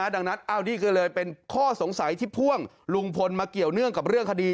ดังนั้นนี่ก็เลยเป็นข้อสงสัยที่พ่วงลุงพลมาเกี่ยวเนื่องกับเรื่องคดี